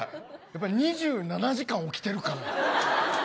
２７時間起きてるから。